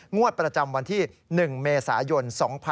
งวดประจำวันที่๑เมษายน๒๕๖๒